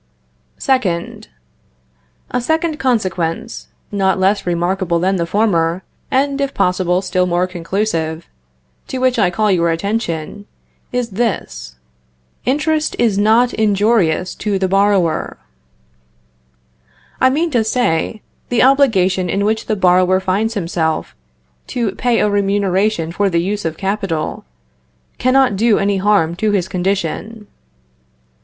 2nd. A second consequence, not less remarkable than the former, and, if possible, still more conclusive, to which I call your attention, is this: interest is not injurious to the borrower. I mean to say, the obligation in which the borrower finds himself, to pay a remuneration for the use of capital, cannot do any harm to his condition.